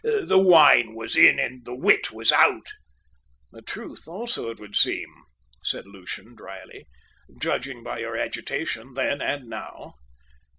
The wine was in and the wit was out." "The truth also, it would seem," said Lucian drily, "judging by your agitation then and now."